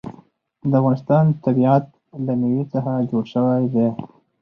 د افغانستان طبیعت له مېوې څخه جوړ شوی دی.